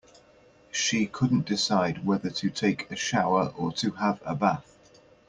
She couldn't decide whether to take a shower or to have a bath.